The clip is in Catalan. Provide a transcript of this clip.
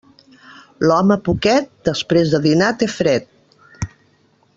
L'home poquet, després de dinat té fred.